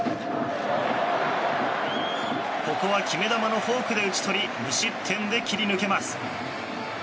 ここは決め球のフォークで打ち取り無失点で切り抜けます。